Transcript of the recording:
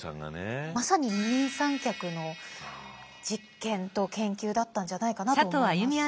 まさに二人三脚の実験と研究だったんじゃないかなと思います。